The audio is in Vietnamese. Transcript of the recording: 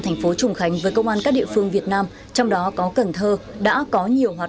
thành phố trùng khánh với công an các địa phương việt nam trong đó có cần thơ đã có nhiều hoạt